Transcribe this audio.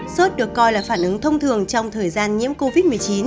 sốt được coi là phản ứng thông thường trong thời gian nhiễm covid một mươi chín